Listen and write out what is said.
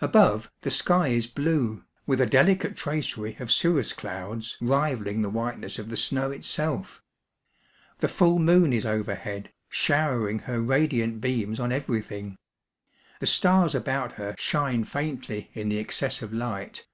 Above, the sky is blue, with a delicate tracery of cirrus douds rivalling the whiteness of the snow itself. Tl^e full moon is overhead, showering her radiant beams on everything ; the stars about her shine faintly in the excess of light.